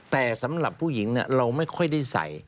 แต่สำหรับผู้หญิงเราไม่ค่อยได้ใส่